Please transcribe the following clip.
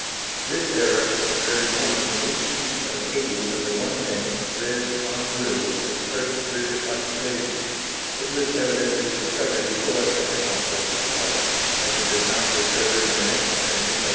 This error occurred once in each sheet of eighty of the 1d., red on blue, of the first British Occupation. It was evidently discovered before a second lot was required, as it does not recur in the next printing of 1d.